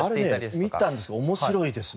あれね見たんですけど面白いですね。